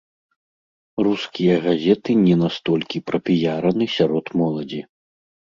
Рускія газеты не настолькі прапіяраны сярод моладзі.